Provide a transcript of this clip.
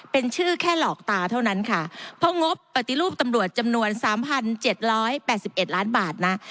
เป็นชื่อแค่หลอกตาเท่านั้นค่ะเพราะงบปฏิรูปตำรวจจำนวนสามพันเจ็ดร้อยแปดสิบเอ็ดล้านบาทนะ